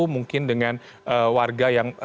mungkin dengan warga yang